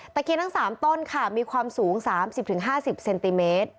เคียนทั้ง๓ต้นค่ะมีความสูง๓๐๕๐เซนติเมตร